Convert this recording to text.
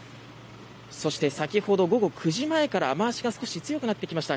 そして、先ほど午後９時前から雨脚が少し強くなってきました。